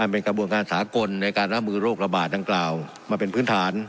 เป็นกระบวนการสากลในการรับมือโรคระบาดดังกล่าวมาเป็นพื้นฐาน